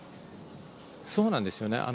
そうなんですよね。